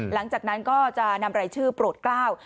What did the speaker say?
หลังจากนั้นก็จะนำรายชื่อโปรดกล้าว